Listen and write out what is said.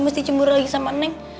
mesti cemburu lagi sama neng